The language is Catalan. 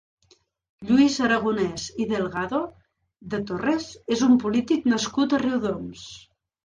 Lluís Aragonès i Delgado de Torres és un polític nascut a Riudoms.